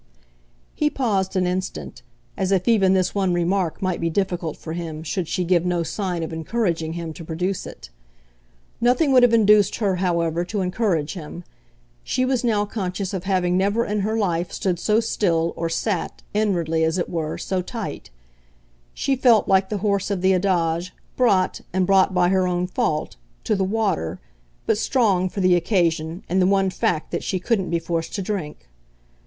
He paused an instant, as if even this one remark might be difficult for him should she give no sign of encouraging him to produce it. Nothing would have induced her, however, to encourage him; she was now conscious of having never in her life stood so still or sat, inwardly, as it were, so tight; she felt like the horse of the adage, brought and brought by her own fault to the water, but strong, for the occasion, in the one fact that she couldn't be forced to drink.